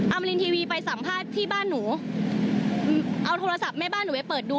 มารินทีวีไปสัมภาษณ์ที่บ้านหนูเอาโทรศัพท์แม่บ้านหนูไปเปิดดู